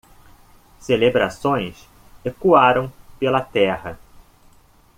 Celebrações ecoaram pela terra.